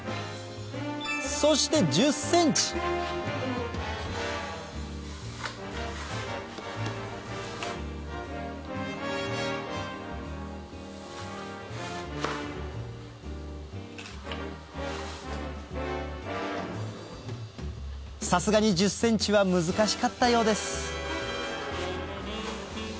そしてさすがに１０ｃｍは難しかったようです